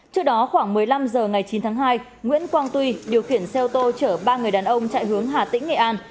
trước đó khoảng một mươi năm h ngày chín tháng hai nguyễn quang tuy điều khiển xe ô tô chở ba người đàn ông chạy hướng hà tĩnh nghệ an